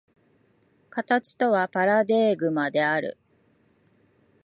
形とはパラデーグマである。